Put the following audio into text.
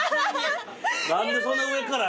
何でそんな上から？